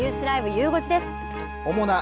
ゆう５時です。